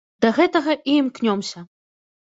Да гэтага і імкнёмся.